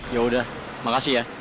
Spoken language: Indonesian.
yaudah makasih ya